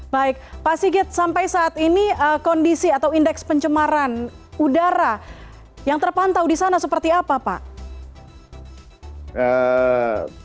baik pak sigit sampai saat ini kondisi atau indeks pencemaran udara yang terpantau di sana seperti apa pak